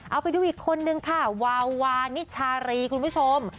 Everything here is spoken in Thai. เอาไปดูอีกคนนึงค่ะวาวานิชารีคุณผู้ชม